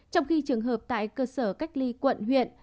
trong khi trường hợp tại cơ sở cách ly quận huyện